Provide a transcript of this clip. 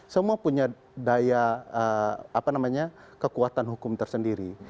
semua punya daya kekuatan hukum tersendiri